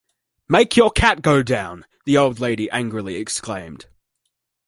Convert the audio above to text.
"Make your cat go down" the old lady angrily exclaimed.